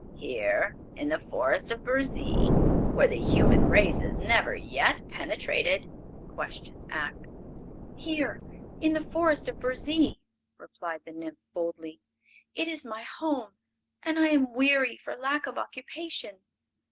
"Here, in the Forest of Burzee, where the human race has never yet penetrated?" questioned Ak. "Here, in the Forest of Burzee," replied the nymph, boldly. "It is my home, and I am weary for lack of occupation.